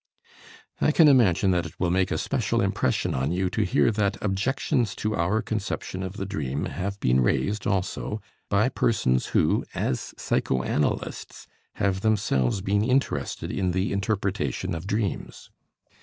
3. I can imagine that it will make a special impression on you to hear that objections to our conception of the dream have been raised also by persons who, as psychoanalysts, have themselves been interested in the interpretation of dreams.